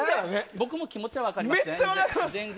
僕も気持ちは分かります、全然。